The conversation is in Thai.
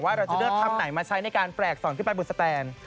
เราจะเลือกทำไหนมาใช้ในการแปลกสอนขึ้นไปบนสแตน